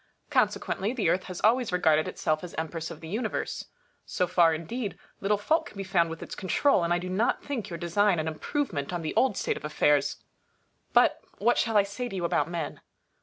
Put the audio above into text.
Consequently, the Earth has always regarded itself as Empress of the Universe. So far, indeed, little fault can be found with its control, and I do not think your design an improvement on the old state of affairs. But what shall I say to you about men